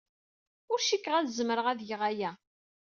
Ur cikkeɣ ad zemreɣ ad geɣ aya.